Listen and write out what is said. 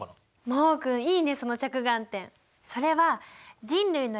真旺君いいねその着眼点。